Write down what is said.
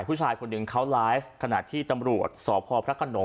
ผู้ชายคนหนึ่งเขาไลฟ์ขณะที่ตำรวจสพพระขนง